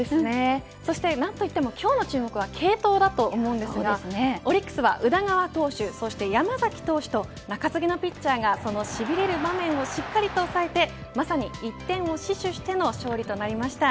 そして何といっても今日の注目は継投だと思うんですがオリックスは宇田川投手そして山崎投手と中継ぎのピッチャーがそのしびれる場面をしっかりと抑えて、まさに１点を死守しての勝利となりました。